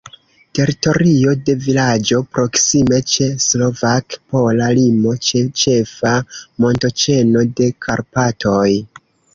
Teritorio de vilaĝo proksime ĉe slovak-pola limo, ĉe ĉefa montoĉeno de Karpatoj.